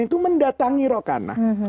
itu mendatangi rokanah